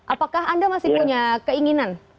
apakah anda masih punya keinginan